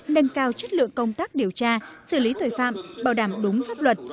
nâng cao chất lượng công tác điều tra xử lý tội phạm bảo đảm đúng pháp luật